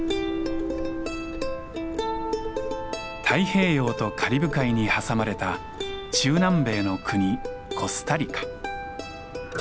太平洋とカリブ海に挟まれた中南米の国コスタリカ。